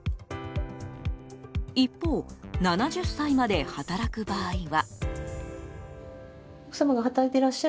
一方、７０歳まで働く場合は。